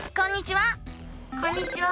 こんにちは！